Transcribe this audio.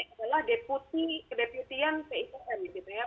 adalah kedeputian pipm